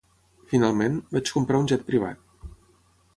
Finalment, vaig comprar un jet privat.